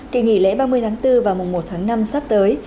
kỳ nghỉ lễ ba mươi tháng bốn và mùa một tháng năm sắp tới